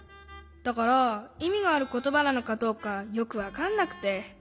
だからいみがあることばなのかどうかよくわかんなくて。